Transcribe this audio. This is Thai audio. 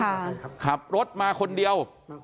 มาคนเดียวขับรถมาคนเดียว